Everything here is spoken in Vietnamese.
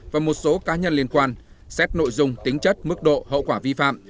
và một số cá nhân liên quan xét nội dung tính chất mức độ hậu quả vi phạm